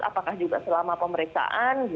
apakah juga selama pemeriksaan